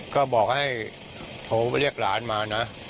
ก็บอกให้โทรไปเรียกหลานมานะ